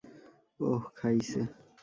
ওহ, খাইছে!